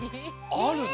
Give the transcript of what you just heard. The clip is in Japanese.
あるね。